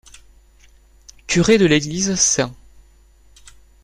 Curé de l'église St.